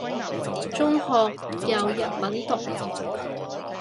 中學有日文讀